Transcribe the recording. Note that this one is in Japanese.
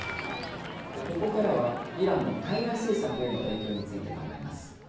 ここからはイランの対外政策への影響について考えます。